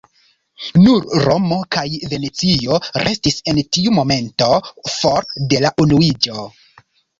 Nur Romo kaj Venecio restis en tiu momento for de la unuiĝo.